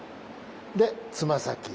でつま先。